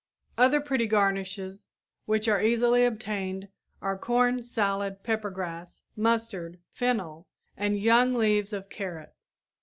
Other pretty garnishes which are easily obtained are corn salad, peppergrass, mustard, fennel, and young leaves of carrot.